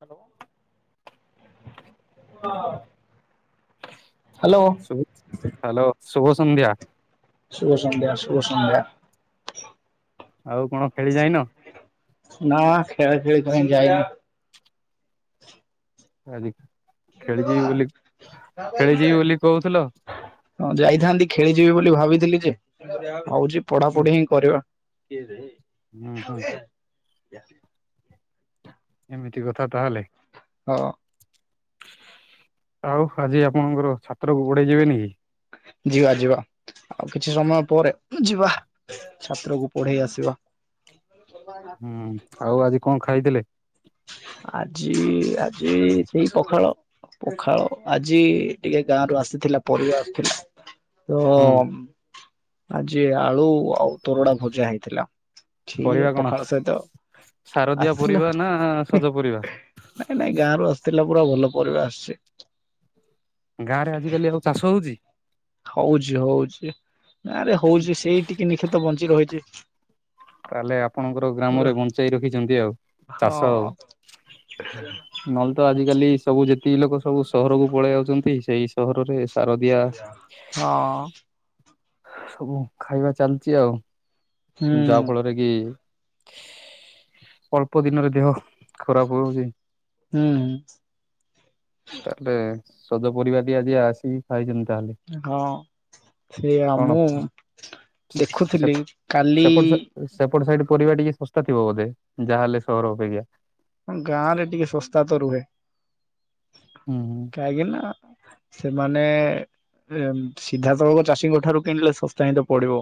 କୁହ ହ୍ୟାଲୋ। ସୁବୁଚି ହ୍ୟାଲୋ ଶୁଭ ସନ୍ଧ୍ୟା। ଶୁଭ ସନ୍ଧ୍ୟା ଶୁଭ ସନ୍ଧ୍ୟା। ଆଉ କଣ ଖେଳି ଯାଇନ। ନା ଖେଳା ଖେଳି ପାଇଁ ଯାଇନି। ଆଜି ଖେଳିଯିବି ବୋଲି ଖେଳିଯିବି ବୋଲି କହୁଥିଲ। ହଁ ଯାଇଥାନ୍ତି ଖେଳିଯିବି ବୋଲି ଭାବିଥିଲି ଯେ ହଉଛି ପଢାପଢି ହିଁ କରିବା। କିଏ ଦେଇ। ଉଁ ହଁ। ଏମିତି କଥା ତାହେଲେ। ହଁ। ଆଉ ଆଜି ଆପଣଙ୍କର ଛାତ୍ରକୁ ଗୋଡେଇ ଯିବେନି କି? ଯିବା ଯିବା ଆଉ କିଛି ସମୟ ପରେ ଯିବା। ଛାତ୍ରକୁ ପଢେଇ ଆସିବା। ହୁଁ ଆଉ ଆଜି କଣ ଖାଇଥିଲେ? ଆଜି ଆଜି ସେଇ ପଖାଳ ପଖାଳ ଆଜି ଟିକେ ଗାଁ ରୁ ଆସିଥିଲା ପରିବା ଆସିଥିଲା। ତ ହୁଁ ଆଜି ଆଳୁ ଆଉ ତୋରଡା ଭଜା ହେଇଥିଲା। ସିଏ ପରିବା କଣ ପଖାଳ ସହିତ ସାରଦିଆ ଆସିଥିଲା ପରିବା ନା ସଜ ପରିବା? ନାଇଁ ନାଇଁ ଗାଁରୁ ଆସିଥିଲା ପୁରା ଭଲ ପରିବା ଆସିଚି। ଗାଁ ରେ ଆଜିକାଲି ଆଉ ଚାଷ ହଉଛି? ହଉଚି ହଉଚି ଗାଁ ରେ ହଉଚି ସେଇ ଟିକେ ନିଖେ ତ ବଞ୍ଚି ରହିଚି। ତାହେଲେ ଆପଣଙ୍କର ଗ୍ରାମରେ ବଞ୍ଚେଇ ରଖିଚନ୍ତି ଆଉ ହଁ ଚାଷ ଆଉ। ନହେଲେ ତ ଆଜିକାଲି ସବୁ ଯେତିକି ଲୋକ ସବୁ ସହରକୁ ପଳେଇ ଆଉଚନ୍ତି ସେଇ ସହରରେ ଶାରଦିଆ ହଁ। ସବୁ ଖାଇବା ଚାଲିଚି ଆଉ ହୁଁ ଯବ୍ ଯୋଉଟାକୁ ଅଳ୍ପ ଦିନରେ ଦେହ ଖରାପ ହଉଚି। ହୁଁ। ତାହେଲେ ସଜ ପରିବା ଟି ଆଜି ଆସିକି ଖାଇଚନ୍ତି ତାହେଲେ। ହଁ ସେଆ କଣ ମୁଁ ଦେଖୁଥିଲି କାଲି ସେପଟେ ସାଇଟ୍ ପରିବା ଟିକେ ଶସ୍ତା ଥିବ ବୋଧେ ଯାହାହେଲେ ସହର ଅପେକ୍ଷା। ମାନେ ଗାଁ ରେ ଟିକେ ଶସ୍ତା ତ ରୁହେ। ହୁଁ ହୁଁ। କାଇଁକି ନା ସେମାନେ ସିଧାସଳଖ ଚାଷୀଙ୍କ ଠାରୁ କିଣିଲେ ଶସ୍ତା ହିଁ ତ ପଡିବ।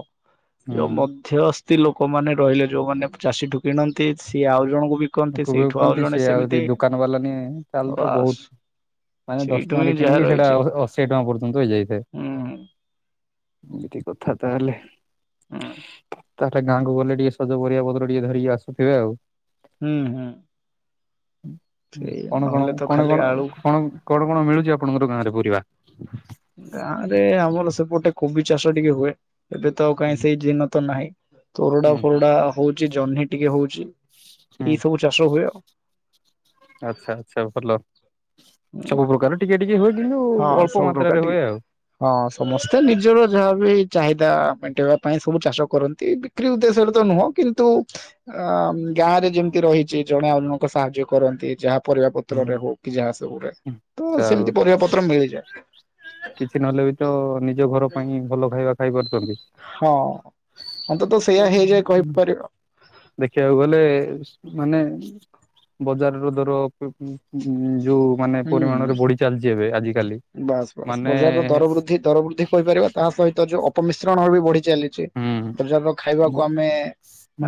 ହୁଁ ଯୋଉ ମଧ୍ୟସ୍ଥି ଲୋକମାନେ ରହିଲେ ଯୋଉମାନେ ଚାଷୀଠୁ କିଣନ୍ତି ସିଏ ଆଉ ଜଣଙ୍କୁ ବି କନ୍ତି ସେଇ ନ୍ତି ସେ ଆହୁରି ଦୋକାନ ବାଲା ନିଏ ତାହେଲେ ତ ବାସ୍ ବହୁତ ମାନେ ଦଶ ସେଇଠୁ ହିଁ ଟଙ୍କାରେ ଯାହା କିଣିକି ସେଇଟା ରହିଛି ଅଶୀଏ ଟଙ୍କା ପର୍ଯ୍ୟନ୍ତ ହେଇଯାଇଥାଏ ହୁଁ ଏମତି କଥା ତାହେଲେ ହୁଁ ତାହେଲେ ଗାଁକୁ ଗଲେ ଟିକେ ସଜ ପରିବା ପତ୍ର ଟିକେ ଧରିକି ଆସୁଥିବେ ଆଉ ହୁଁ ହୁଁ। ସେଇ କଣ କଣ ନହେଲେ ତ କଣ ଖାଲି କଣ ଆଳୁ କଣ କଣ କଣ ମିଳୁଛି ଆପଣଙ୍କର ଗାଁରେ ପରିବା? ଗାଁ ରେ ଆମର ସେପଟେ କୋବି ଚାଷ ଟିକେ ହୁଏ। ଏବେ ତ ଆଉ କାହିଁ ହୁଁ ସେଇ ଦିନ ତ ନାହିଁ ତୋରଡା ଫୋରଡା ହଉଛି ଜହ୍ନି ଟିକେ ହଉଛି। ହୁଁ ଏଇ ସବୁ ଚାଷ ହୁଏ ଆଉ। ଆଚ୍ଛା ଆଚ୍ଛା ଭଲ। ସବୁ ପ୍ରକାର ଟିକେ ଟିକେ ହୁଏ କିନ୍ତୁ ହଁ ଅଳ୍ପ ସବୁ ପ୍ରକାର ମାତ୍ରାରେ ହୁଏ ଟିକେ ଆଉ। ହଁ ସମସ୍ତେ ନିଜର ଯାହା ବି ଚାହିଦା ମେଣ୍ଟେଇବା ପାଇଁ ସବୁ ଚାଷ କରନ୍ତି ବି କ୍ରି ଉଦ୍ଦେଶ୍ୟରେ ତ ନୁହଁ କିନ୍ତୁ ଅ ଗାଁରେ ଯେମିତି ରହିଛି ଜଣେ ଆଉଜଣଙ୍କୁ ସାହାଯ୍ୟ କରନ୍ତି ଯାହା ପରିବା ହୁଁ। ପତ୍ରରେ ହଉ କି ଯାହା ସବୁରେ ଆଚ୍ଛା ତ ଆଉ ସେମିତି ପରିବା ପତ୍ର ମିଳିଯାଏ। କିଛି ନହେଲେ ବି ତ ନିଜ ଘର ପାଇଁ ଭଲ ଖାଇବା ଖାଇ ପାରୁଚନ୍ତି। ହଁ ଅନ୍ତତ ସେଇଆ ହେଇଯାଏ କହିପାରିବ। ଦେଖିବାକୁ ଗଲେ ମାନେ ବଜାରର ଦର ଯୋଉ ମାନେ ହୁଁ। ପରିମାଣରେ ବଢ଼ି ଚାଲିଚି ଏବେ ଆଜିିକାଲି ବାସ୍ ବାସ୍ ବଜାରର ଦର ବୃଦ୍ଧି ଦର ବୃଦ୍ଧି କହିପାରିବା ତା ସହିତ ଯୋଉ ଅପମିଶ୍ରଣ ବି ବଢ଼ି ଚାଲି ଚି ହୁଁ ବଜାରର ଖାଇବାକୁ ଆମେ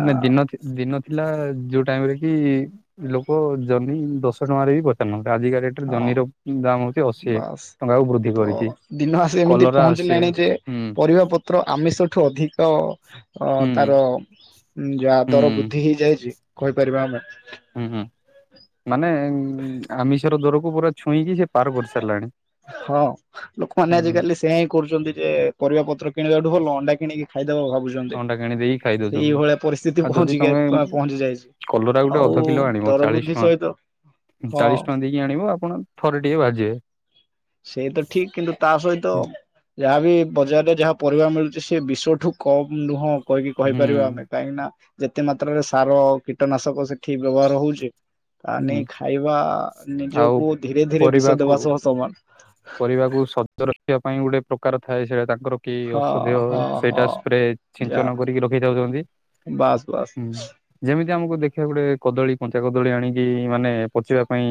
ଅ ଦିନ ଦିନ ଥିଲା ଯୋଉ ଟାଇମ୍ ରେ କି ଲୋକ ଜନି ଦଶ ଟଙ୍କାରେ ବି ପଚାରୁନାହାନ୍ତି ଆଜିକାଲି ହଁ ଜହ୍ନିର ଦାମ ହଉଛି ଅଶିଏ ବାସ୍ ଟଙ୍କାକୁ ବୃଦ୍ଧି ତ କରିଚି ଦିନ ଆସି ଏମିତି କଲରା ଅଶିଏ। ପହଞ୍ଚିଲାଣି ଯେ ପରିବା ପତ୍ର ଆମିଷଠୁ ଅଧିକ ଅ ହୁଁ ତାର ଯାହା ଦର ହୁଁ। ବୃଦ୍ଧି ହେଇଯାଇଚି କହିପାରିବା ଆମେ। ହୁଁ ହୁଁ ମାନେ ଆମିଷର ଦରକୁ ପୁରା ଛୁଇଁକି ସେ ପାର କରିସାରିଲାଣି। ହଁ ଲୋକମାନେ ହୁଁ ହୁଁ ଆଜିକାଲି ସେଆ ହିଁ କରୁଛନ୍ତି ଯେ ପରିବାପତ୍ର କିଣିବାଠୁ ଭଲ ଅଣ୍ଡା କିଣିକି ଖାଇଦବା ଭାବୁ ଚନ୍ତି ଅଣ୍ଡା କିଣି ଦେଇକି ଖାଇ ଦଉଛନ୍ତି। ସେଇଭଳିଆ ପରିସ୍ଥିତି ଆଉ ଯଦି ପହଞ୍ଚି ଗା ତମେ ପହଞ୍ଚି ଯାଇଛି କଲରା ଗୋଟେ ଅଧ ଆଉ କିଲୋ ଆଣିବ ଦରବୃ ଚାଳିଶ ଧି ଟଙ୍କା ସହିତ ହଁ ଚାଳିଶ ଟଙ୍କା ଦେଇକି ଆଣିବ ଆପଣ ଥରେ ଟିଏ ଭାଜିବେ। ସେଇତ ଠିକ କିନ୍ତୁ ତା ସହିତ ଯାହାବି ବଜାରରେ ଯାହା ପରିବା ମିଳୁଚି ସେ ବିଷଠୁ କମ୍ ନୁହଁ। କହିକି ହୁଁ କହିପାରିବା ଆମେ କାହିଁକିନା ଯେତେ ମାତ୍ରାରେ ସାର କୀଟନାଶକ ସେଠି ବ୍ୟବହାର ହଉଚି ତା ହୁଁ ନେଇ ଖାଇବା ଆଉ ନିଜକୁ ଧୀରେ ଧୀରେ ବିଷ ପରିବାକୁ ଦେବା ସହ ସମାନ। ପରିବାକୁ ସତ ରଖିବା ପାଇଁ ଗୋଟେ ପ୍ରକାର ଥାଏ ସେଇଟା ତାଙ୍କର କି ଔଷଧୀୟ ହଁ ହଁ ସେଇଟା ହଁ ସ୍ପ୍ରେ ଯା ଛିଞ୍ଚନ କରିକି ରଖିଥାଉଚନ୍ତି। ବାସ୍ ବାସ୍। ଯେମିତି ଆମକୁ ଦେଖିବାକୁ ଗୋଟେ କଦଳୀ କଞ୍ଚା କଦଳୀ ଆଣିକି ମାନେ ପଚିବା ପାଇଁ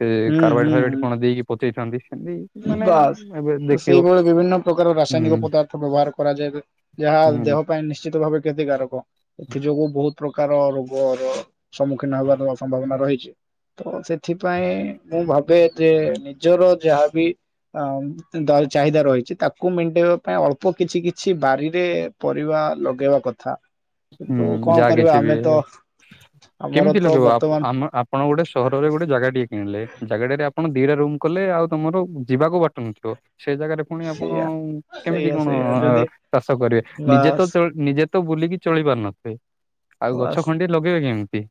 ସେ ହୁଁ କାର୍ବାଇଡ଼ ହୁଁ ଫାର୍ବାଇଡ଼ ହୁଁ। କଣ ଦେଇକି ପଚେଇଥାନ୍ତି ସେମିତି ମାନେ ବାସ୍ ଏବେ ତ ଦେଖିବ ସେଇଭଳି ବିଭିନ୍ନ ପ୍ରକାର ରାସାୟନିକ ହୁଁ ପଦାର୍ଥ ବ୍ୟବହାର କରାଯାଏ ଯାହା ହୁଁ ଦେହ ପାଇଁ ନିଶ୍ଚିତ ଭାବେ କ୍ଷତିକାରକ ଏଥି ଯୋଗୁ ବୋହୁତ ପ୍ରକାର ରୋଗର ସମ୍ମୁଖୀନ ହେବାର ସମ୍ଭାବନା ରହିଚି। ତ ସେଥିପାଇଁ ମୁଁ ଭାବେ ଯେ ନିଜର ଯାହାବି ଅ ଦା ଚାହିଦା ରହିଛି ତାକୁ ମେଣ୍ଟେଇବା ପାଇଁ ଅଳ୍ପ କିଛି କିଛି ବାରିରେ ପରିବା ଲଗେଇବା କଥା। କିନ୍ତୁ ହୁଁ କଣ ଯାହା କରିବା କିଛି ବି ଆମେ ତ ଆମର କେମିତି ତ ଲଗେଇବ ଆପ ବର୍ତ୍ତମାନ ଆମ ଆପଣ ଗୋଟେ ସହରରେ ଗୋଟେ ଜାଗା ଟିଏ କିଣିଲେ ଜାଗାଟାରେ ଆପଣ ଦିଟା ରୁମ୍ କଲେ ଆଉ ତମର ଯିବାକୁ ବାଟ ନଥିବ। ସେ ଜାଗାରେ ପୁଣି ଆପଣ ସେଇଆ କେମିତି ସେଇଆ କଣ ସେଇଆ ଯଦି ଚାଷ କରିବେ ନିଜେ ତ ବାସ୍ ଚ ନିଜେ ତ ବୁଲିକି ଚଳି ପାରୁନଥିବେ ଆଉ ଗଛ ବାସ୍ ଖଣ୍ଡିଏ ଲଗେଇବେ କେମିତି?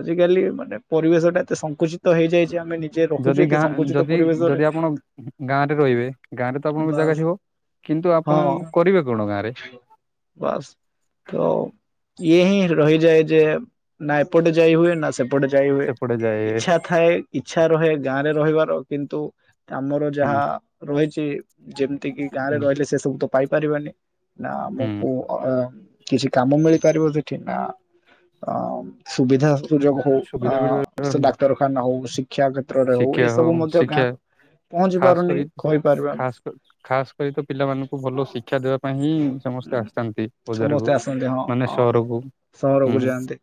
ଆଜିକାଲି ମାନେ ପରିବେଶ ଟା ଏତେ ସଂଙ୍କୁଚିତ ହେଇଯାଇଛି ଆମେ ନି ଯିଏ ଯଦି ରଖୁଛୁ ଏତେ ସଂଙ୍କୁଚିତ ପରିବେଶରେ। ଗାଁ ରେ ରହିବେ ଗାଁ ରେ ତ ଆପଣଙ୍କ ଜାଗା ବାସ୍ ଥିବ କିନ୍ତୁ ଆପଣ ହଁ କରିବେ କଣ ଗାଁ ରେ? ବାସ୍। ତ ଇଏ ହିଁ ରହିଯାଏ ଯେ ନା ଏପଟେ ଯାଇ ହୁଏ ନା ସେ ଏପଟେ ଯାଇ ହଏ ସେପଟେ ଯାଏ ଇଚଛା ଥାଏ ଇଚଛା ରହେ ଗାଁ ରେ ରହିବାର କିନ୍ତୁ ଆମର ହୁଁ ଯାହା ରହିଛି ଯେମିତି କିି ଗାଁରେ ହୁଁ ରହିଲେ ସେ ସବୁ ତ ପାଇପାରିବାନି। ହୁଁ ନାମକୁ [unintelligible] କିଛି କାମ ମିଳିପାରିବ ସେଠି ନା ଅ ସୁବିଧା ସୁଯୋଗ ସୁବିଧା ମିଳିବ ହଉ ଡାକ୍ତରଖାନା ହଉ ଶିକ୍ଷା ହଉ ଶିକ୍ଷା ହଉ ଏସବୁ ମଧ୍ୟ ଶିକ୍ଷା ଗାଁକୁ ପହଞ୍ଚି ପାରୁନି କହିପାରିବା ଆମେ। ଖାସ କରି ତ ପିଲାମାନଙ୍କୁ ଭଲ ଶିକ୍ଷା ଶିକ୍ଷା ଦେବା ପାଇଁ ହିଁ ସମସ୍ତେ ଆସିଥାନ୍ତି ସମସ୍ତେ ବଜାରକୁ ଆସନ୍ତି ହଁ ମାନେ ହଁ ସହରକୁ ସହରକୁ ହୁଁ। ଯାଆନ୍ତି।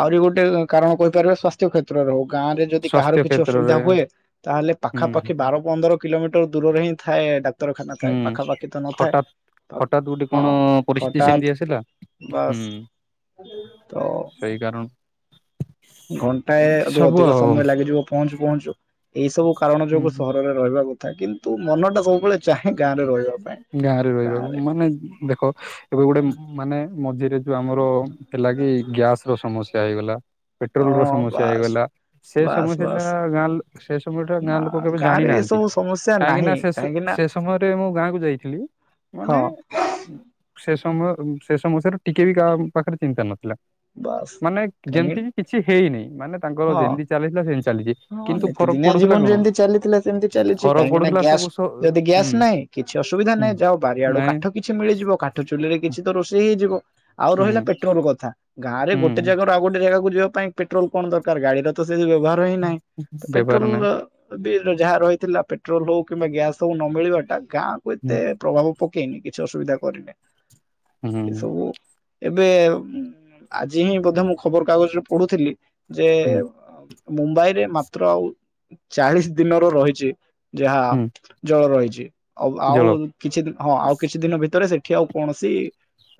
ଆହୁରି ଗୋଟେ କାରଣ କହିପାରିବା ସ୍ୱାସ୍ଥ୍ୟ। କ୍ଷେତ୍ରରେ ହଉ ଗାଁରେ ଯଦି କାହାର ସ୍ଵାସ୍ଥ୍ୟ କିଛି କ୍ଷେତ୍ରରେ ଅସୁବିଧା ହୁଏ ତାହେଲେ ହୁଁ ପାଖାପାଖି ବାର ପନ୍ଦର କିଲୋମିଟର ଦୂରରେ ହିଁ ଥାଏ ଡାକ୍ତରଖାନା ଥାଏ ହୁଁ ପାଖପାଖି ତ ନଥାଏ। ହଠାତ୍ ତ ହଠାତ୍ ଗୋଟେ ହଁ କଣ ପରିସ୍ଥିତି ହଠାତ୍ ସେମିତି ଆସିଲା ହୁଁ ବାସ୍ ହୋଉ। ସେଇ କାରଣ ଘଣ୍ଟା ରୁ ସବୁ ଅଧିକ ଆଉ ସମୟ ଲାଗିଯିବ ପହଞ୍ଚୁ ପହଞ୍ଚୁ ଏଇ ସବୁ କାରଣ ହୁଁ। ଯୋଗୁ ସହରରେ ରହିବା କ ଥା କିନ୍ତୁ ମନଟା ସବୁବେଳେ ଚାହେଁ ଗାଁରେ ରହିବ। ଗାଁରେ ରହିବାକୁ ମାନେ ଦେଖ ଏବେ ଗୋଟେ ମାନେ ମଝିରେ ଯୋଉ ଆମର ହେଲା କି ଗ୍ୟାସ ର ସମସ୍ୟା ହେଇଗଲା ପେଟ୍ରୋଲର ହଁ ସମସ୍ୟା ବାସ୍ ହେଇଗଲା ସେ ବାସ୍ ସମସ୍ୟା ଟା ବାସ୍ ଗାଁ ସେ ସମୟଟା ନା ଗାଁ ଲୋକ କେବେ ଗାଁରେ ଜାଣିନାହାନ୍ତି। ଏସବୁ ସମସ୍ୟା କାହିଁକି ନାହିଁ ନା ସେ କାହିଁକି ନା ସେ ସମୟରେ ମୁଁ ଗାଁ କୁ ଯାଇଥିଲି ହଁ ମାନେ ସେ ସମୟ ସେ ସମସ୍ୟା ର ଟିକେ ବି କାହା ପାଖରେ ଚିନ୍ତା ନଥିଲା। ବାସ୍ ମାନେ ଯେମିତି କାହିଁକି କିଛି ହେଇନି ମାନେ ତାଙ୍କର ହଁ ଯେମିତି ଚାଲିଥିଲା ସେମିତି ଚାଲିଛି। ହଁ କିନ୍ତୁ ଫରକ ନିତିଦିନିଆ ପଡୁଥିଲା ଜୀବନ କଣ ଯେମିତି ଚାଲିଥିଲା ସେମିତି ଚାଲିଛି ଫରକ କାହିଁକି ନା ପଡୁଥିଲା ସବୁ ଗ୍ୟାସ ସ- ଯଦି ହୁଁ ଗ୍ୟାସ୍ ନାହିଁ କିଛି ଅସୁବିଧା ହୁଁ ନାହିଁ ଯାହହୋଉ ବରିଆଡୁ ନାଇଁ କାଠ କିଛି ମିଳିଯିବ କାଠ ଚୁଲିରେ କିଛି ତ ରୋଷେଇ ହେଇଯିବ। ଆଉ ହୁଁ ରହିଲା ପେଟ୍ରୋଲ କଥା। ଗାଁରେ ହୁଁ ଗୋଟେ ଜାଗାରୁ ଆଉ ଗୋଟେ ଜାଗାକୁ ଯିବା ପାଇଁ ପେଟ୍ରୋଲ କଣ ଦରକାର ଗାଡିର ତ ସେ ବ୍ୟବହାର ହିଁ ନାହିଁ। ବ୍ୟବହାର ନାହିଁ ପେଟ୍ରୋଲ ବି ଯାହା ରହିଥିଲା ପେଟ୍ରୋଲ ହଉ କିମ୍ବା ଗ୍ୟାସ ହଉ ନ ମିଳିବା ଟା ଗାଁ ହୁଁ ଏତେ ପ୍ରଭାବ ପକେଇନି କିଛି ଅସୁବିଧା କରିନି ହୁଁ ଏସବୁ ଏବେ ଆଜି ହିଁ ବ ମୁଁ ଖବର କାଗଜରେ ପଢୁଥିଲି। ଯେ ହୁଁ ମୁମ୍ବାଇରେ ମାତ୍ର ଆଉ ଚାଳିଶ ଦିନର ରହିଛି। ଯାହା ହୁଁ ଜଳ ରହିଛି ଆଉ ଆଉ ଜଳ କିଛି ଦ ହଁ ଆଉ କିଛି ଦିନ ଭିତରେ ସେଠ ଏଠି ଆଉ କୌଣସି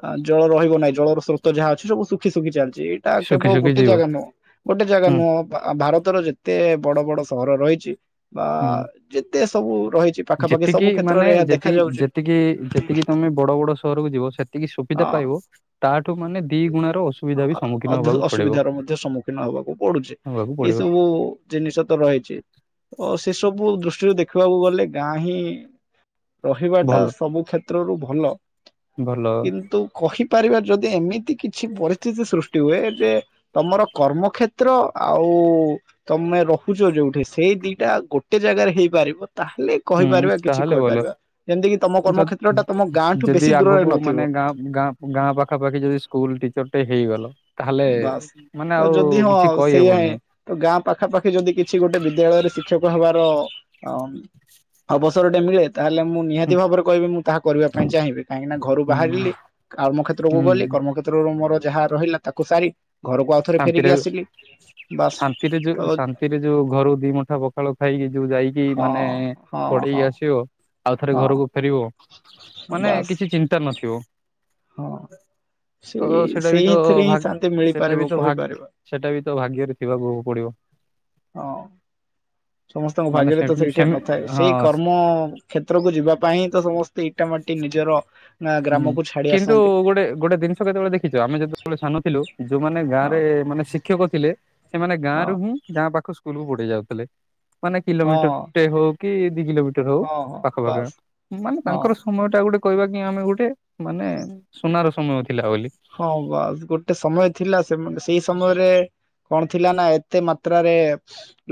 ଅ ଜଳ ରହିବ ନାହିଁ ଜଳର ସ୍ରୋତ ଯାହା ଅଛି ସବୁ ଶୁଖି ଶୁଖି ଚାଲିଛି ଏଇଠ ତା ଶୁଖି କେବଳ ଶୁଖି ଗୋଟେ ଯିବ ଜାଗା ନୁହଁ ଗୋଟେ ଜାଗା ହୁଁ ନୁହଁ ଭାରତର ଯେ ଏତେ ବଡ ବଡ ସହର ରହିଛି ବା ହୁଁ। ଯେତେ ସବୁ ରହିଛି ପାଖାପାଖି ଯେତିକି ସବୁ ମାନେ କ୍ଷେତ୍ରରେ ଏହା ଯେତିକି ଦେଖାଯାଉଛି ଯେତିକି ଯେତିକି ତମେ ବଡ ବଡ ସହରକୁ ଯିବ ସେତିକି ସୁବିଧା ପାଇବ ତାଠୁ ମାନେ ଦି ଗୁଣାର ଅସୁବିଧା ବି ସମ୍ମୁଖୀନ ହବାକୁ ପଡିବ ଅସୁବିଧ ର ମଧ୍ୟ ସମ୍ମୁଖୀନ ହବାକୁ ପଡୁଛି ହବାକୁ ଏଇ ପଡିବ ସବୁ ଜିନିଷ ତ ରହିଛି ତ ସେ ସବୁ ଦୃଷ୍ଟିରୁ ଦେଖିବାକୁ ଗଲେ ଗାଁ ହିଁ ରହିବା ଟା ଭଲ ସବୁ କ୍ଷେତ୍ରରୁ ଭଲ ଭଲ କିନ୍ତୁ କହିପାରିବା ଯଦି ଏମିତି କିଛି ପରିସ୍ଥିତି ସୃଷ୍ଟି ହୁଏ ଯେ ତମର କର୍ମକ୍ଷେତ୍ର ଆଉ ତମେ ରହୁଛ ଯୋଉଠି ସେଇ ଦିଟା ଗୋଟେ ଜାଗାରେ ହେଇପାରିବ ତାହେଲେ ହୁଁ କହିପାରିବା କିଛି ତାହେଲେ ଭଲ କହିପାରିବା ଯେମତି କି ତମ କର୍ମକ୍ଷେତ୍ର ଯଦି ଟା ତମ ଗାଁ ଠୁ ଯଦି ବେଶୀ ଆଗକୁ ଦୂରରେ ମାନେ ନଥିବ। ଗାଁ ଗାଁ ପାଖାପାଖି ଯଦି ସ୍କୁଲ ଟିଚର ଗୋଟେ ହେଇଗଲ ତାହେଲେ ବାସ୍ ମାନେ ତ ଆଉ ଯଦି କିଛି ହଁ ସେଇଆ କହିହବନି। ଗାଁ ପାଖା ପାାଖି ଯଦି କିଛି ଗୋଟେ ବିଦ୍ୟାଳୟରେ ଶିକ୍ଷକ ହେବାର ଅ ଅବସର ଟେ ମିଳେ ତାହେଲେ ମୁଁ ହୁଁ ନିହାତି ଭାବରେ କହିବି ମୁଁ ତାହା କରିବା ପାଇଁ ଚାହିଁବି କାହିଁକି ନା ଘରୁ ହୁଁ ବାହାରିଲି କର୍ମ କ୍ଷେତ୍ରକୁ ଗଲି ହୁଁ କର୍ମକ୍ଷେତ୍ରରୁ ମୋର ଯାହା ରହିଲା ତାକୁ ସାରି ଘରକୁ ଆଉ ଥରେ ଶାନ୍ତିରେ ଫେରିକି ଆସିଲି ବାସ୍ ତ ସେଥିରେ ଯୋଉ ଘରୁ ଦି ମୁଠା ପଖାଳ ଖାଇକି ଯୋଉ ଯାଇକି ହଁ ମାନେ ହଁ ପଢ଼େଇ ହଁ ଆସିବ ଆଉ ଥରେ ହଁ ଘରକୁ ଫେରିବ ମାନେ ବାସ୍ କିଛି ଚିନ୍ତା ନଥିବ। ହଁ ତ ସେଇ ସେଇଟା ବି ସେଇ ତ ଏଥିରେ ଭା ହିଁ ଶାନ୍ତି ମିଳି ସେଟା ବି ତ ଭାଗ ସେଟା ବି ତ ଭାଗ୍ୟରେ ଥିବାକୁ ପଡ଼ିବ। ହଁ ସମସ୍ତଙ୍କ ମାନେ ଭାଗ୍ୟରେ ତ ସେମି ସେଇଠି ସେମି ନଥାଏ ହଁ ସେଇ କର୍ମ କ୍ଷେତ୍ରକୁ ଯିବା ପାଇଁ ହିଁ ତ ସମସ୍ତେ ଇଟାମାଟି ନିଜର ନାଁ ହୁଁ। ଗ୍ରାମକୁ ଛା କିନ୍ତୁ ଗୋଟେ ଗୋଟେ ଜିନିଷ କେତେବେଳେ ଦେଖିଛ ଆମେ ଯେତେବେଳେ ସାନ ଥିଲୁ ଯୋଉମାନେ ହଁ ଗାଁରେ ମାନେ ଶି କ୍ଷକ ଥିଲେ ସେମାନେ ଗାଁ ହଁ ରୁ ହିଁ ଗାଁ ପାଖକୁ ସ୍କୁଲକୁ ପଢ଼େଇ ଯାଉଥିଲେ। ମାନେ ହଁ କିଲୋମିଟର ଟେ ହଉ କି ଦି କିଲୋମିଟର ହଉ ହଁ ହଁ ପାଖ ପାଖ ବାସ୍ ମାନେ ହଁ ତାଙ୍କର ସମୟ ଟା ଗୋଟେ କହିବା କି ଆମେ ଗୋଟେ ମାନେ ସୁନାର ସମୟ ଥିଲା ବୋଲି। ହଁ ବାସ୍ ଗୋଟେ ସମୟ ଥିଲା ସେମାନ ସେଇ ସମୟରେ କଣ ଥିଲା ନା ଏତେ ମାତ୍ରାରେ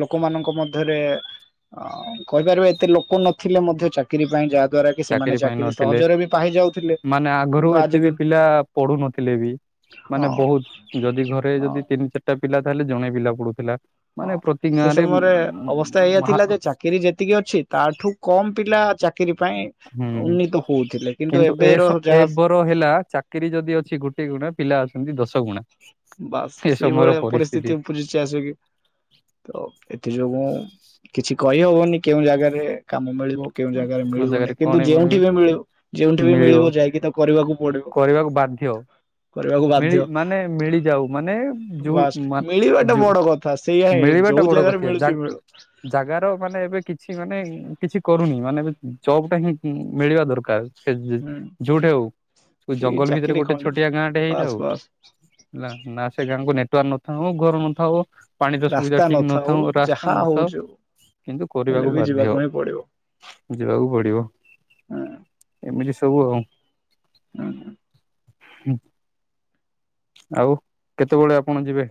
ଲୋକମାନଙ୍କ ମଧ୍ୟରେ ହଁ କହିପାରିବା ଏତେ ଲୋକ ନଥିଲେ ମଧ୍ୟ ଚାକିରି ପାଇଁ ଯାହା ଦ୍ଵାରା କି ସେମାନେ ଚାକିରି ପାଇଁ ନଥିଲେ ସହଜରେ ବି ପାଇ ଯାଉଥିଲେ ମାନେ ଆଗରୁ କିନ୍ତୁ ଏତେ ବି ଆଜିକାଲି ପିଲା ପଡ଼ୁନଥିଲେ ବି ହଁ ମାନେ ବହୁତ ଯଦି ଘରେ ହଁ ଯଦି ତିନି ଚା ଟା ପିଲା ତାହେଲେ ଜଣେ ପିଲା ପଢ଼ୁଥିଲା। ହଁ ସେ ସମୟରେ ଅବସ୍ଥା ଏଇଆ ମହା ଥିଲା ଯେ ଚାକିରି ଯେତିକି ଅଛି ତାଠୁ କମ ପିଲା ଚାକିରି ପାଇଁ ହୁଁ ଉନ୍ନୀତ ହଉଥିଲେ କିନ୍ତୁ ଏବେ ର ଯାହା ର ହେଲା ଚାକିରୀ ଯଦି ଅଛି ଗୋଟେ ଗୁଣା ପିଲା ଅଛନ୍ତି ଦଶ ଗୁଣା। ବାସ୍ ଏ ସମୟର ସେଇଭଳିଆ ପରିସ୍ଥିତି ଉପୁଜିଛି ଆସିକି। ତ ଏଥି ଯୋଗୁ କିଛି କହିହବନି କେଉଁ ଜାଗାରେ କାମ ମିଳି କେଉଁ ଜାଗାରେ କଣ ଜାଗାରେ ମିଳିବନି କିନ୍ତୁ କଣ ଯୋଉଠି ବି ମିଳିବ ଯୋଉଠି ବି ମିଳିବ ଯାଇକି ତାକୁ କରିବାକୁ ପଡ଼ିବ। କରିବାକୁ ବାଧ୍ୟ। କରିବାକୁ ମିଳି ବାଧ୍ୟ। ମାନେ ମିଳିଯାଉ ମାନେ ଯଉ ବାସ୍ ମା ମିଳିବାଟା ଯଉ ବଡ କଥା ସେଇଆ ହିଁ ମିଳିବାଟା ଯୋଉ ବଡ଼ ଜାଗାରେ ମିଳୁଛି [unintelligible] ମିଳୁ ଜାଗାର ମାନେ ଏବେ କିଛି ମାନେ କିଛି କରୁନି ମାନେ ଏବେ ଜବ ଟା ହିଁ ମିଳିବା ଦରକାର୍। ସେ ଯୁ ହୁଁ ଯୋଉଠି ହଉ ସେଇ ଜଙ୍ଗଲ ଭିତରେ ଚାକିରି ଗୋଟେ ଖଣ୍ଡେ ଛୋଟିଆ ଗାଁଟେ ହେଇ ବାସ୍ ବାସ୍। ହେଲା ନା ସେ ଗାଁକୁ ନେଟୱାର୍କ ନଥାଉ ଘର ନଥାଉ ପାଣିର ସୁବିଧା ରାସ୍ତା ଠିକ୍ ନଥାଉ ରାସ୍ତା ଯାହା ନଥାଉ ହଉଛି ହଉ ଯୋଉ କିନ୍ତୁ ହେଲେ କରିବାକୁ ବି ବାଧ୍ୟ। ଯିବାକୁ ହିଁ ପଡିବ ଯିବାକୁ ପଡ଼ିବ ହୁଁ ଏମିତି ସବୁ ଆଉ। [unintelligible] ଆଉ କେତେବେଳେ ଆପଣ ଯିବେ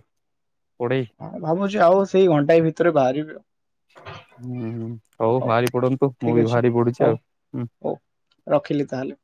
ପଡ଼େଇ? ହଁ ଭାବୁଛି ଆଉ ସେଇ ଘଣ୍ଟାଏ ଭିତରେ ବାହାରିବି ଆଉ। ହୁଁ ହୁଁ ହଉ ବାହାରି ପଡ଼ନ୍ତୁ ମୁଁ ଠିକ ବି ଅଛି ବାହାରି ପଡ଼ୁଛି ହଉ ଆଉ। ହଉ ରଖିଲି ତାହେଲେ?